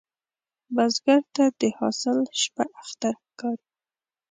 بزګر ته د حاصل شپه اختر ښکاري